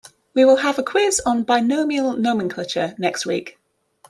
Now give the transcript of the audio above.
We will have a quiz on binomial nomenclature next week.